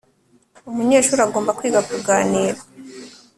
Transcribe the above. umunyeshuri agomba kwiga kuganira,